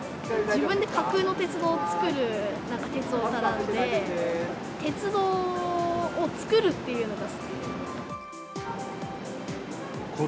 自分で架空の鉄道を作るなんか鉄オタなんで、鉄道を作るっていうのが好き。